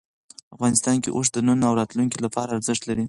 افغانستان کې اوښ د نن او راتلونکي لپاره ارزښت لري.